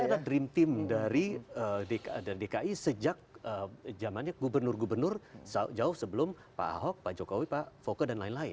ini adalah dream team dari dki sejak zamannya gubernur gubernur jauh sebelum pak ahok pak jokowi pak foke dan lain lain